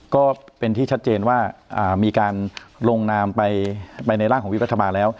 ก็เป็นที่ชัดเจนว่ามีการลงนามไปในร่างของวิบรัฐบาลแล้ว